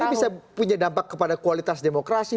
tapi bisa punya dampak kepada kualitas demokrasi